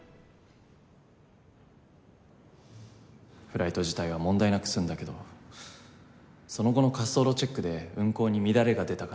フライト自体は問題なく済んだけどその後の滑走路チェックで運航に乱れが出たからね。